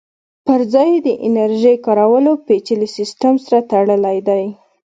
پرځای یې د انرژۍ کارولو پېچلي سیسټم سره تړلی دی